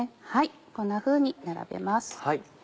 こんなふうに並べます。